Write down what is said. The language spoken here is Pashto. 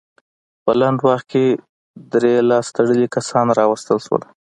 په لنډ وخت کې درې لاس تړلي کسان راوستل شول.